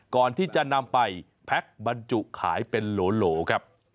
ก่อนที่จะนำไปแพ็คบรรจุขายเป็นโหลครับ